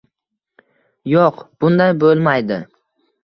Yo'q, bunday bo'lmaydi